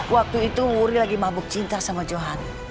waktu itu wuri lagi mabuk cinta sama johan